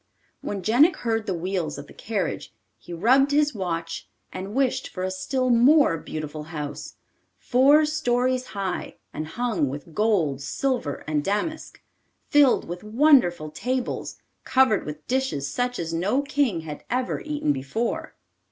When Jenik heard the wheels of the carriage, he rubbed his watch and wished for a still more beautiful house, four stories high, and hung with gold, silver, and damask; filled with wonderful tables, covered with dishes such as no king had ever eaten before.